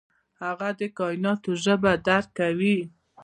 هغه د کائنات ژبه درک کوي.